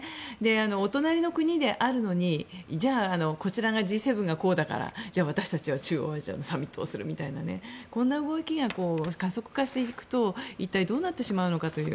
お隣の国であるのにじゃあ、こちらがＧ７がこうだから私たちは中央アジアのサミットをするというこんな動きが加速化していくと一体どうなってしまうのかという。